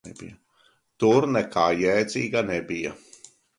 Tur nekā jēdzīga nebija.